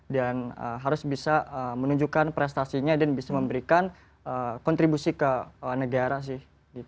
dan harus bisa menunjukkan prestasinya dan bisa memberikan kontribusi ke negara sih